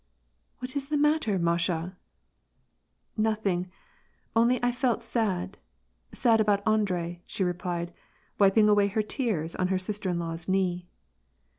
" What is the matter, Masha ?"" Nothing ; only I felt sad j sad about Andrei," she repUed, wiping away her tears on her sister in law's knee.